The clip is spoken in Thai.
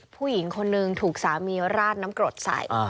ผู้หญิงคนนึงถูกสามีราดน้ำกรดใส่